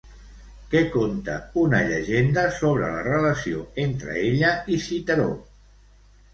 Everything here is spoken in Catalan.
Què conta una llegenda sobre la relació entre ella i Citeró?